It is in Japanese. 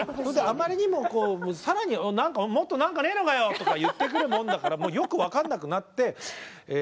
あまりにもこう更に「もっと何かねえのかよ」とか言ってくるもんだからよく分かんなくなってええ